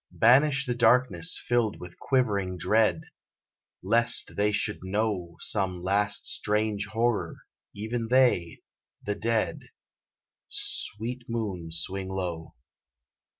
Banish the darkness filled with quivering dread, Lest they should know Some last strange horror even they the dead Sweet moon, swing low.